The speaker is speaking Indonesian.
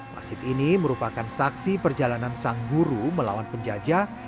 masjid ini merupakan saksi perjalanan sang guru melawan penjajah